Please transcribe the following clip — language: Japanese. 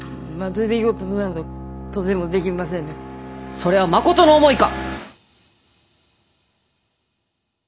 それはまことの思いか？